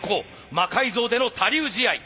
魔改造での他流試合。